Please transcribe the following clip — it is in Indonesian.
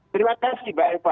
terima kasih mbak eva